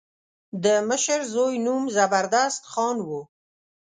د مشر زوی نوم زبردست خان و.